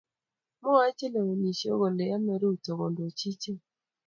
Mwoe chelewenishei kole emei Ruto kondoichi ichek